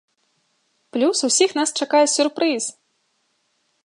Плюс усіх нас чакае сюрпрыз!